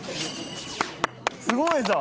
すごいじゃん！